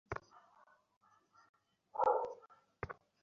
আমি হারিয়ে গিয়েছিলাম।